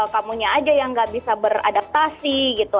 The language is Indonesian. kamu aja yang nggak bisa beradaptasi gitu